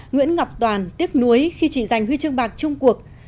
nguyễn ngọc toàn tiếc nuối khi chỉ giành huy chương bạc chung cuộc